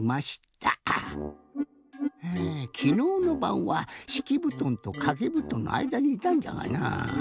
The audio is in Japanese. はあきのうのばんはしきぶとんとかけぶとんのあいだにいたんだがなぁ。